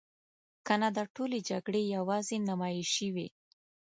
کنه دا ټولې جګړې یوازې نمایشي وي.